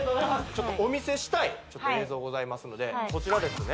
ちょっとお見せしたい映像ございますのでこちらですね